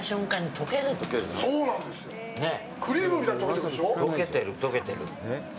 溶けてる、溶けてる。